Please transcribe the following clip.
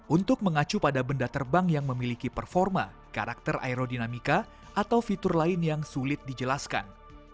untuk mengacu pada benda terbang yang memiliki performa karakter aerodinamika atau fitur lain yang sulit dijelaskan